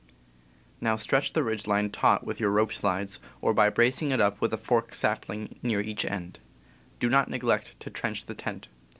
Now stretch the ridge line taut with your rope sHdes, or by bracing it up with a forked saphng near each end. Do not neglect to trench the tent.